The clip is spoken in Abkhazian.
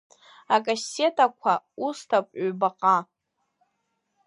Акассетақәа усҭап ҩбаҟа.